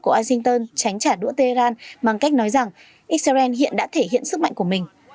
của washington tránh trả đũa tehran bằng cách nói rằng israel hiện đã thể hiện sức mạnh của mình